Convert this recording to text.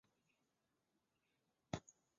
长穗腹水草为玄参科腹水草属下的一个种。